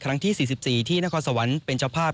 ที่๔๔ที่นครสวรรค์เป็นเจ้าภาพ